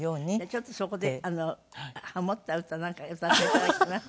ちょっとそこでハモった歌なんか歌って頂けます？